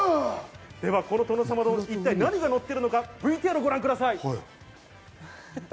この殿様丼、一体何がのっているのか、ＶＴＲをご覧ください。